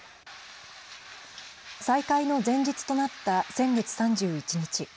再開の前日となった、先月３１日